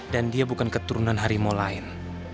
dan dia bukan keturunan harimau lain